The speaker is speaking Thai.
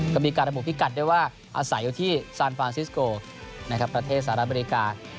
ก็มีการระบุพิกัดด้วยว่าอาศัยอยู่ที่ซานฟานซิสโกประเทศสหรัฐอเมริกา